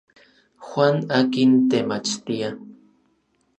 Juan akin temachtia.